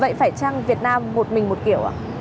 vậy phải chăng việt nam một mình một kiểu ạ